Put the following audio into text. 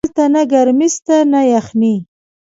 هلته نه گرمي سته نه يخني.